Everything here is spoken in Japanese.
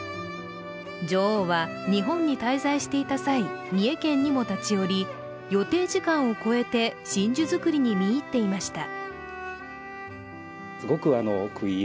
女王は、日本に滞在していた際、三重県にも立ち寄り、予定時間を超えて真珠作りに見入っていました。